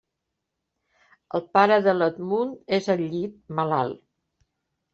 El pare de l'Edmund és al llit, malalt.